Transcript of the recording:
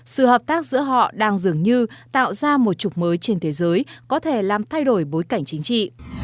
sự hợp tác giữa họ đang dường như tạo ra một trục mới trên thế giới có thể làm thay đổi bối cảnh chính trị